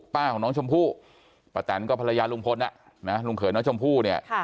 ของน้องชมพู่ป้าแตนก็ภรรยาลุงพลลุงเขยน้องชมพู่เนี่ย